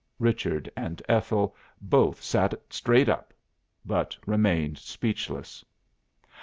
Richard and Ethel both sat straight up, but remained speechless.